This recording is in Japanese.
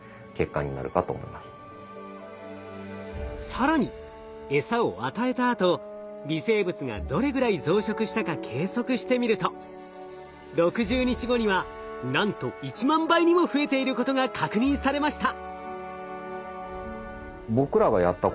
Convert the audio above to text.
更にエサを与えたあと微生物がどれぐらい増殖したか計測してみると６０日後にはなんと１万倍にも増えていることが確認されました。